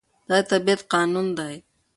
دا د طبيعت قانون دی.